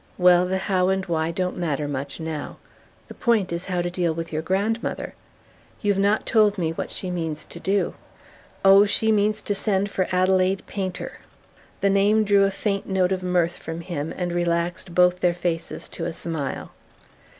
"Well, the how and why don't much matter now. The point is how to deal with your grandmother. You've not told me what she means to do." "Oh, she means to send for Adelaide Painter." The name drew a faint note of mirth from him and relaxed both their faces to a smile.